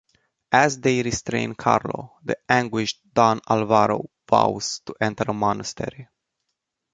As they restrain Carlo, the anguished Don Alvaro vows to enter a monastery.